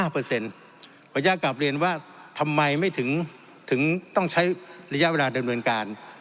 ขออนุญาตกลับเรียนว่าทำไมไม่ถึงต้องใช้ระยะเวลาดำเนินการ